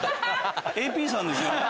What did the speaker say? ＡＰさんですよね？